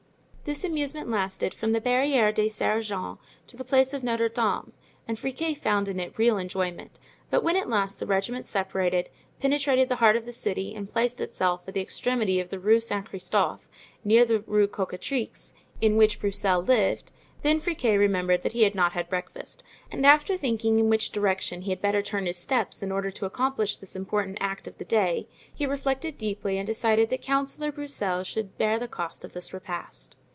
This amusement lasted from the Barriere des Sergens to the place of Notre Dame, and Friquet found in it very real enjoyment; but when at last the regiment separated, penetrated the heart of the city and placed itself at the extremity of the Rue Saint Christophe, near the Rue Cocatrix, in which Broussel lived, then Friquet remembered that he had not had breakfast; and after thinking in which direction he had better turn his steps in order to accomplish this important act of the day, he reflected deeply and decided that Councillor Broussel should bear the cost of this repast.